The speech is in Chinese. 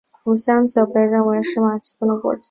乳香酒被认为是马其顿的国酒。